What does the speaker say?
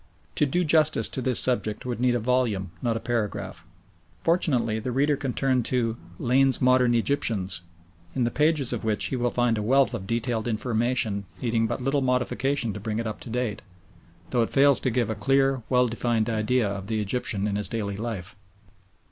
To do justice to this subject would need a volume, not a paragraph. Fortunately the reader can turn to "Lane's Modern Egyptians," in the pages of which he will find a wealth of detailed information needing but little modification to bring it up to date, though it fails to give a clear, well defined idea of the Egyptian in his daily life.